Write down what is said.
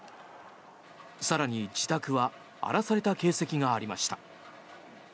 更に、自宅は荒らされた形跡がありました。